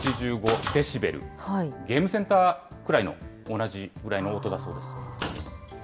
デシベル、ゲームセンターくらいの、同じぐらいの音だそうです。